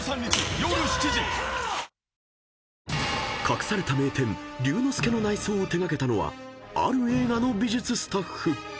［隠された名店「竜ノ介」の内装を手掛けたのはある映画の美術スタッフ］